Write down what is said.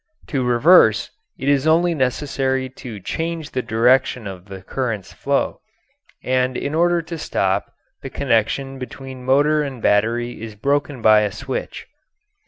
To reverse, it is only necessary to change the direction of the current's flow; and in order to stop, the connection between motor and battery is broken by a switch.